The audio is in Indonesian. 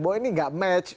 bahwa ini tidak match